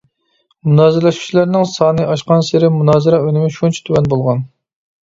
مۇنازىرىلەشكۈچىلەرنىڭ سانى ئاشقانسېرى، مۇنازىرە ئۈنۈمى شۇنچە تۆۋەن بولغان.